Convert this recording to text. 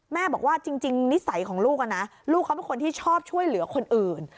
แม่บอกว่าจริงนิสัยของลูกนะลูกเขาเป็นคนที่ชอบช่วยเหลือคนอื่น